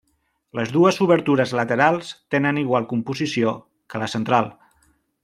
Les dues obertures laterals tenen igual composició que la central.